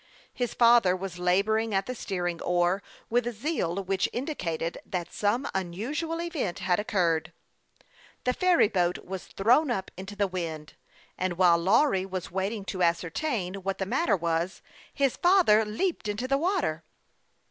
His father was laboring at the steering oar with a zeal which in dicated that some unusual event had occurred. The ferry boat was thrown up into the wind, and while Lawry was waiting to ascertain what the matter was, his father leaped into the water.